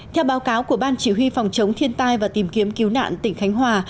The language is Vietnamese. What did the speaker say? theo báo cáo của ban chỉ huy phòng chống thiên tai và tìm kiếm cứu nạn tỉnh khánh hòa